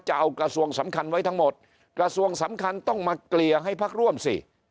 กระทรวงสำคัญไว้ทั้งหมดกระทรวงสำคัญต้องมาเกลี่ยให้พักร่วมสิ